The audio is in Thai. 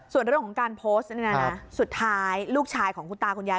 ส่วนเรื่องของการโพสต์นี่นะสุดท้ายลูกชายของคุณตาคุณยาย